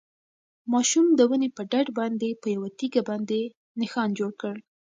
ماشوم د ونې په ډډ باندې په یوه تیږه باندې نښان جوړ کړ.